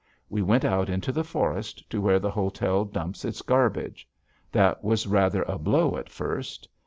We went out into the forest, to where the hotel dumps its garbage. That was rather a blow, at first.